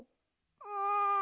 うん。